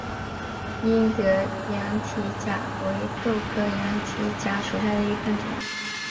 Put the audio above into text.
英德羊蹄甲为豆科羊蹄甲属下的一个变种。